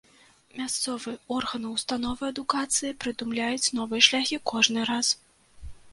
Мясцовыя органы, установы адукацыі прыдумляюць новыя шляхі кожны раз.